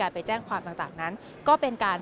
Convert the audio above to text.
ก็ไม่ได้รับแจ้งจากตำรวจแต่ว่าเรายังไม่ได้รับแจ้งจากตำรวจ